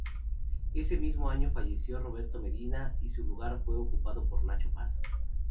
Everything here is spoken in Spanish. Ese mismo año falleció Roberto Medina y su lugar fue ocupado por Nacho Paz.